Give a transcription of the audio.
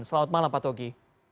selamat malam pak togi